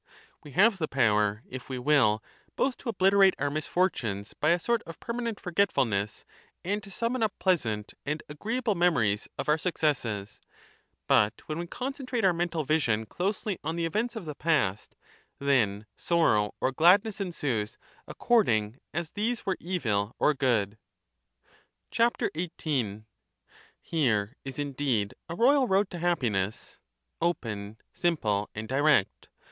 We have the power if we will both to obliterate our misfortunes by a sort of permanent forgetfulness and to summon up pleasant and agreeable memories of our successes. But when we concentrate our mental vision closely on the events of the past, then sorrow or Kindness ensues accord in gas these were evil or good. XVill. ' Here is indeed a royal rond to happiness a ill —open, simple, and direct